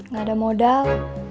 gak ada modal